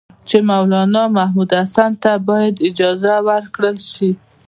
چې مولنا محمودالحسن ته باید اجازه ورکړل شي.